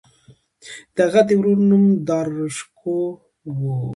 د هغه د ورور نوم داراشکوه و.